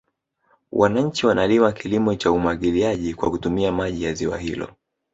Wananchi wanalima kilimo cha umwagiliaji kwa kutumia maji ya ziwa hilo